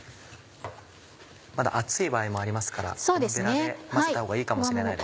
まだ熱い場合もありますからゴムベラで混ぜたほうがいいかもしれないですね。